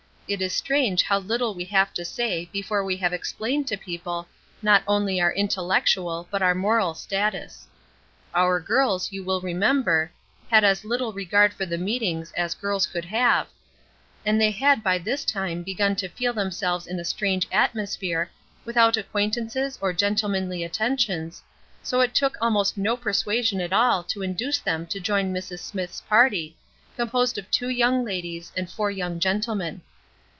It is strange how little we have to say before we have explained to people not only our intellectual but our moral status. Our girls, you will remember, had as little regard for the meetings as girls could have, and they had by this time begun to feel themselves in a strange atmosphere, without acquaintances or gentlemanly attentions, so it took almost no persuasion at all to induce them to join Mrs. Smithe's party, composed of two young ladies and four young gentlemen.